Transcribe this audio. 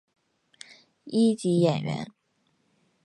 一级演员。